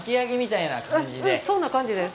うんそんな感じです。